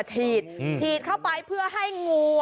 ฉีดฉีดเข้าไปเพื่อให้งู